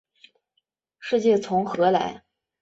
世界从何来？